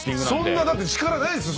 そんな力ないですよ。